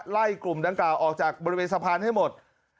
ไล่กลุ่มดังกล่าวออกจากบริเวณสะพานให้หมด